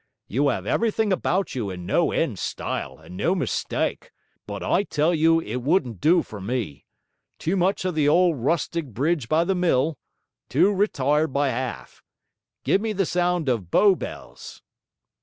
'You have everything about you in no end style, and no mistake, but I tell you it wouldn't do for me. Too much of "the old rustic bridge by the mill"; too retired, by 'alf. Give me the sound of Bow Bells!'